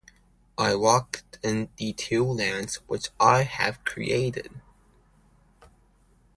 I walked in the two lands which I have created.